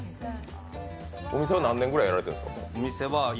お店は何年くらいやられてるんですか？